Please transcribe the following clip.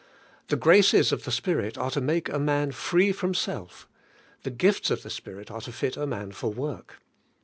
The graces of the Spirit are to make a man free from self; the gifts of the Spirit are to fit a man for work.